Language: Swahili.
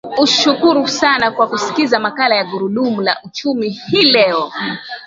ushukuru sana kwa kuskiza makala ya gurudumu la uchumi hii leo